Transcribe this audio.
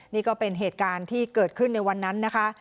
นี่ก็เป็นเหตุการณ์ที่เกิดขึ้นในวันนั้นนะคะ